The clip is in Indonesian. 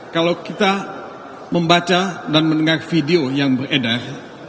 kalau kita membaca dan mendengar video yang beredar